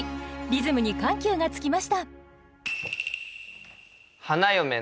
リズムに緩急がつきました。